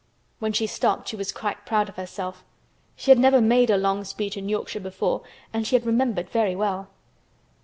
When she stopped she was quite proud of herself. She had never made a long speech in Yorkshire before and she had remembered very well.